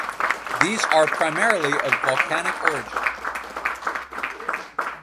These are primarily of volcanic origin.